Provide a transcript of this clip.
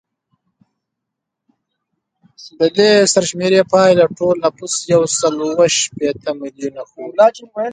د دې سرشمېرنې پایلې ټول نفوس یو سل اووه شپیته میلیونه ښوده